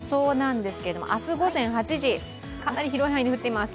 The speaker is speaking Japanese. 雨雲の予想なんですけども、明日午前８時、かなり広い範囲で降っています。